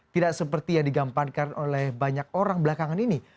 tidak seperti yang digampankan oleh banyak orang belakangan ini